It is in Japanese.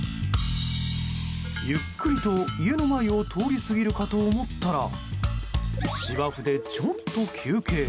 ゆっくりと家の前を通り過ぎるかと思ったら芝生でちょっと休憩。